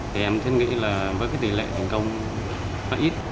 thì em thích nghĩ là với cái tỷ lệ thành công nó ít